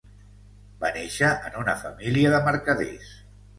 Va néixer en una família de mercaders.